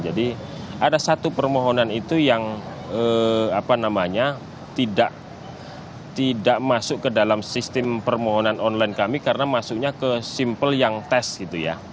jadi ada satu permohonan itu yang apa namanya tidak masuk ke dalam sistem permohonan online kami karena masuknya ke simpel yang tes gitu ya